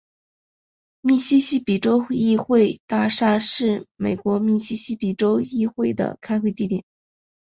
密西西比州议会大厦是美国密西西比州议会的开会地点。